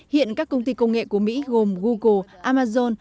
hiện các công ty công nghệ của mỹ gồm google amazon